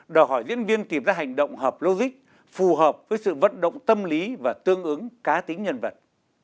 đòi hỏi diễn viên tìm ra hành động hợp logic phù hợp với sự vận động tâm lý và tương ứng cá tính nhân vật